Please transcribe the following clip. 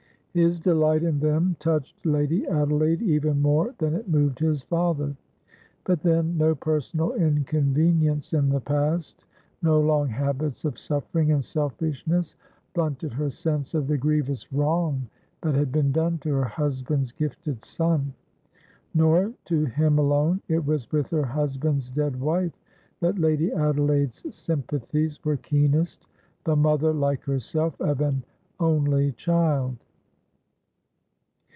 His delight in them touched Lady Adelaide even more than it moved his father. But then no personal inconvenience in the past, no long habits of suffering and selfishness, blunted her sense of the grievous wrong that had been done to her husband's gifted son. Nor to him alone! It was with her husband's dead wife that Lady Adelaide's sympathies were keenest,—the mother, like herself, of an only child.